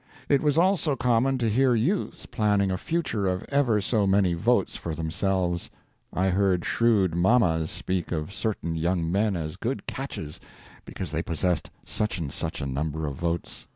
It was also common to hear youths planning a future of ever so many votes for themselves. I heard shrewd mammas speak of certain young men as good "catches" because they possessed such and such a number of votes.